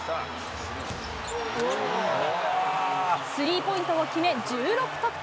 スリーポイントを決め、１６得点。